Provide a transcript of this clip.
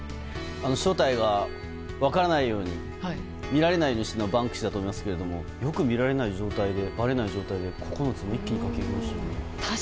正体は分からないように見られないようにするのがバンクシーだと思いますけどもよく見られない状態ばれない状態で９つ、一気に描きましたね。